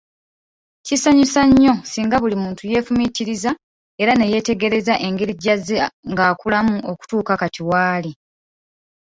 Kisanyusa nnyo singa buli muntu yeefumiitiriza era ne yeetegereza engeri gy'azze ng'akulamu okutuuka kati waali !